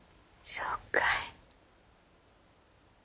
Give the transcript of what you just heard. そうかい。